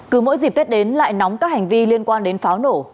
cứ mỗi dịp tết đến lại nóng các hành vi liên quan đến pháo nổ